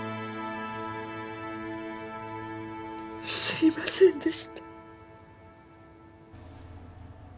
すみませんでした。